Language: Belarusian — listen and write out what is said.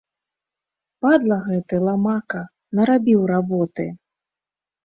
Падла гэты, ламака, нарабіў работы!